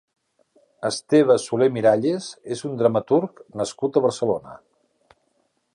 Esteve Soler Miralles és un dramaturg nascut a Barcelona.